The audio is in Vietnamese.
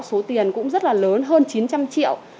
số tiền cũng rất là lớn hơn chín trăm linh triệu